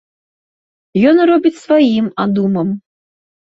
Ён робіць сваім адумам.